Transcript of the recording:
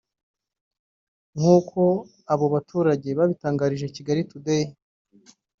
nk’uko abo baturage babitangarije Kigali Today